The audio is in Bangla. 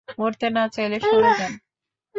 মরতে না চাইলে সরে যান!